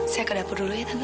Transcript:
saya ke dapur dulu ya tentu